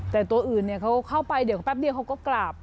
แต่ตัวอื่นเขาเข้าไปเดี๋ยวแป๊บเดียวเขาก็กราบ